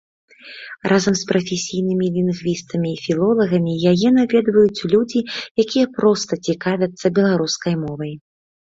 Разам з прафесійнымі лінгвістамі і філолагамі яе наведваюць людзі, якія проста цікавіцца беларускай мовай.